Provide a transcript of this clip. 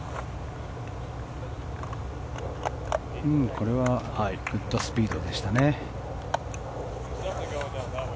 これはグッドスピードでしたね。